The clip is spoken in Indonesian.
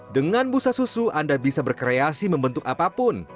dengan busa susu anda bisa berkreasi membentuk apapun